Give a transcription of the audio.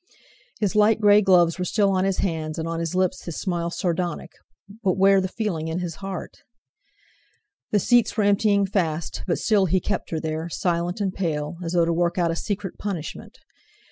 His light grey gloves were still on his hands, and on his lips his smile sardonic, but where the feeling in his heart? The seats were emptying fast, but still he kept her there, silent and pale, as though to work out a secret punishment.